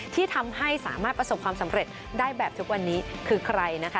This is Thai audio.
ที่ทำให้สามารถประสบความสำเร็จได้แบบทุกวันนี้คือใครนะคะ